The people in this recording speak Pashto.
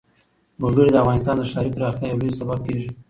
وګړي د افغانستان د ښاري پراختیا یو لوی سبب کېږي.